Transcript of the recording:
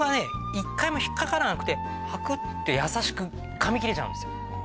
一回も引っかからなくてハクって優しく噛み切れちゃうんですよ